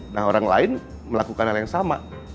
nah orang lain melakukan hal yang sama